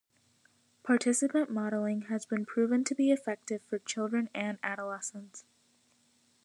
Participant modeling has been proven to be effective for children and adolescents.